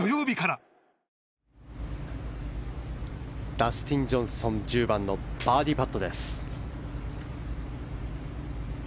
ダスティン・ジョンソン１０番のバーディーパット。